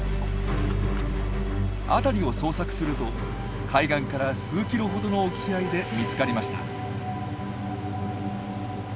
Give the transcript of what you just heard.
辺りを捜索すると海岸から数キロほどの沖合で見つかりました。